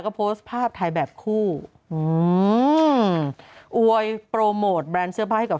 ก็โพสต์ภาพถ่ายแบบคู่อืมอวยโปรโมทแบรนด์เสื้อผ้าให้กับ